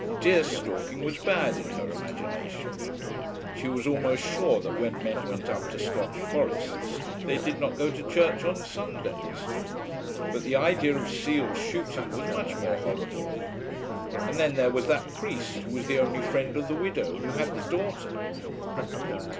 Deer stalking was bad in her imagination. She was almost sure that when men went up to Scotch forests they did not go to church on Sundays. But the idea of seal shooting was much more horrible. And then there was that priest who was the only friend of the widow who had the daughter!